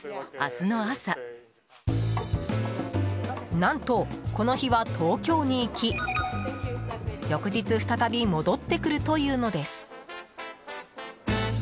何と、この日は東京に行き翌日、再び戻ってくるというのです。